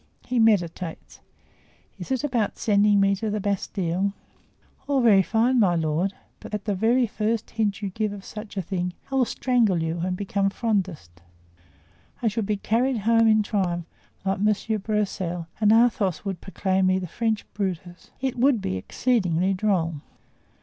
He meditates. Is it about sending me to the Bastile? All very fine, my lord, but at the very first hint you give of such a thing I will strangle you and become Frondist. I should be carried home in triumph like Monsieur Broussel and Athos would proclaim me the French Brutus. It would be exceedingly droll."